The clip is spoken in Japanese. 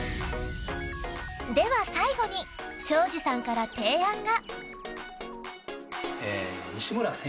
では最後に庄司さんから提案が。